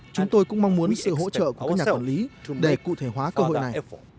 chúng tôi cũng mong muốn sự hỗ trợ của các nhà quản lý để cụ thể hóa cơ hội này